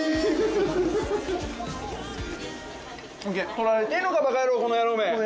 撮られてぇのかバカ野郎この野郎め！